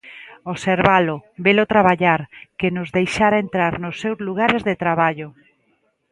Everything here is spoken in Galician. Observalo, velo traballar, que nos deixara entrar nos seus lugares de traballo.